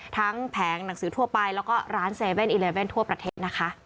แผงหนังสือทั่วไปแล้วก็ร้าน๗๑๑ทั่วประเทศนะคะ